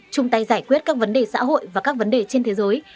chung tay giải quyết các vấn đề xã hội và các vấn đề trên thế giới